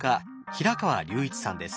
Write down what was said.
平川隆一さんです。